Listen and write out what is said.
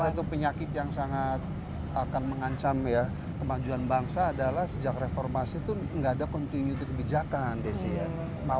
salah satu penyakit yang sangat akan mengancam ya kemajuan bangsa adalah sejak reformasi itu nggak ada continuity kebijakan desi ya